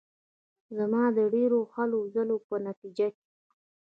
زما د ډېرو هلو ځلو په نتیجه کې.